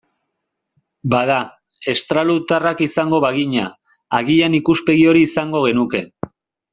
Bada, estralurtarrak izango bagina, agian ikuspegi hori izango genuke.